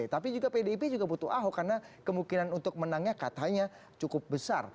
tapi juga pdip juga butuh ahok karena kemungkinan untuk menangnya katanya cukup besar